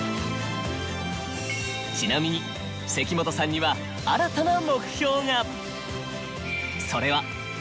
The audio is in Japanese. ちなみに關本さんには新たな目標が。